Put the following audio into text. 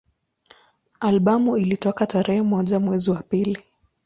Albamu ilitoka tarehe moja mwezi wa pili